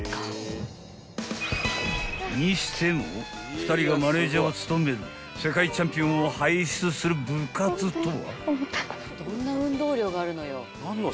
［にしても２人がマネージャーを務める世界チャンピオンを輩出する部活とは？］